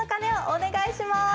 お願いします。